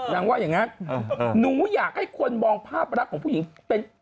ว่าอย่างนั้นหนูอยากให้คนมองภาพรักของผู้หญิงเป็น